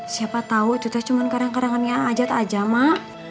siapa tahu itu teh cuman kadang kadangnya ajat aja mak